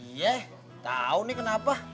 iya tau nih kenapa